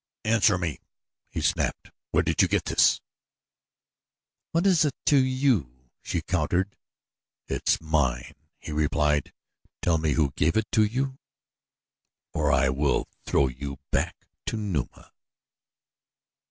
"Answer me!" he snapped. "Where did you get this?" "What is it to you?" she countered. "It is mine," he replied. "Tell me who gave it to you or I will throw you back to Numa."